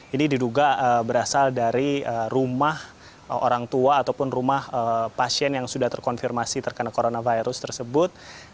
ini diduga berasal dari rumah orang tua ataupun rumah pasien yang sudah terkonfirmasi terkena coronavirus tersebut